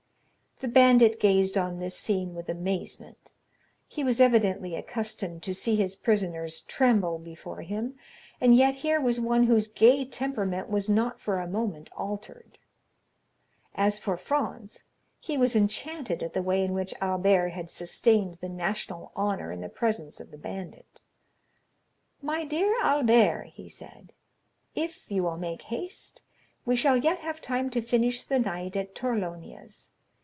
The bandit gazed on this scene with amazement; he was evidently accustomed to see his prisoners tremble before him, and yet here was one whose gay temperament was not for a moment altered; as for Franz, he was enchanted at the way in which Albert had sustained the national honor in the presence of the bandit. "My dear Albert," he said, "if you will make haste, we shall yet have time to finish the night at Torlonia's.